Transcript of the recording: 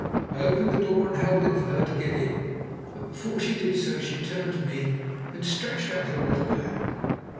I opened the door and held it for her to get in. But before she did so she turned to me and stretched out her little hand.